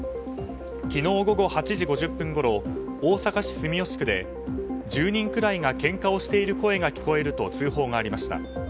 昨日午後８時５０分ごろ大阪市住吉区で１０人くらいがけんかをしている声が聞こえると通報がありました。